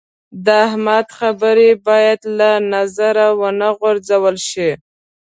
د احمد خبرې باید له نظره و نه غورځول شي.